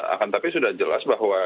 akan tapi sudah jelas bahwa